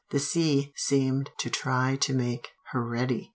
The sea seemed trying to make her ready.